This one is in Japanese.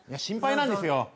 心配なんですよ。